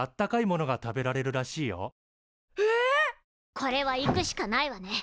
これは行くしかないわね。